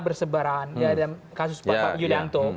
bersebaran kasus pak yudianto